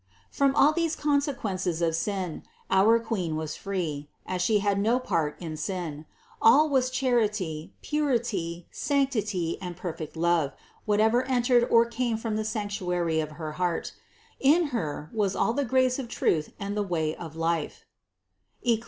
From all these consequences of sin our Queen was free, as She had no part in sin : all was chanty, purity, sanctity and perfect love, whatever 430 CITY OF GOD entered or came from the sanctuary of her heart: in Her was all the grace of truth and the way of life (Eccli.